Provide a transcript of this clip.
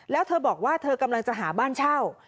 แล้วเธอบอกว่าเธอกำลังจะหาบ้านเช่า